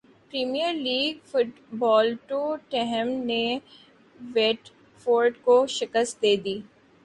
premiere League فٹبالٹوٹنہم نے Watford کو شکست دیدی